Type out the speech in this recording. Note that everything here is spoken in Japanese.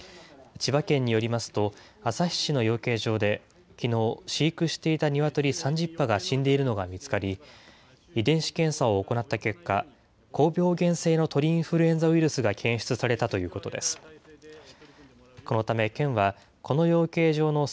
千葉県によりますと、旭市の養鶏場できのう、飼育していたニワトリ３０羽が死んでいるのが見つかり、遺伝子検査を行った結果、高病原性の鳥インフルエンザウイルスが検出されたということです。